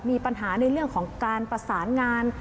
มีปัญหาในเรื่องของการประสานงาน